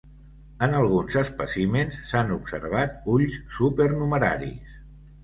En alguns espècimens s'han observat ulls supernumeraris.